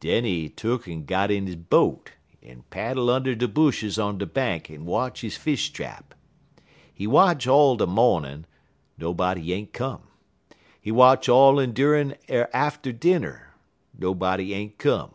"Den he tuck'n got in he boat en paddle und' de bushes on de bank en watch he fish trap. He watch all de mornin'; nobody ain't come. He watch all endurin' er atter dinner; nobody ain't come.